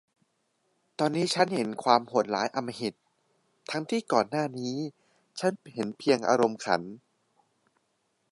ตอนนี้ฉันเห็นความโหดร้ายอำมหิต ทั้งที่ก่อนหน้านี้ฉันเห็นเพียงอารมณ์ขัน